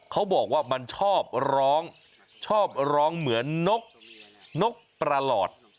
เขาบอกว่ามันชอบร้องเหมือนนกประหลอด